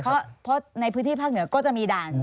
เพราะในพื้นที่ภาคเหนือก็จะมีด่าน